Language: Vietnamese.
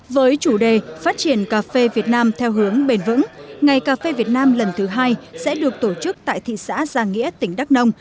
với chủ đề phát triển cà phê việt nam theo hướng bền vững ngày cà phê việt nam lần thứ hai sẽ được tổ chức tại thị xã giang nghĩa tỉnh đắk nông